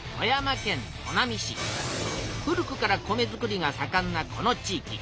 古くから米づくりがさかんなこの地いき。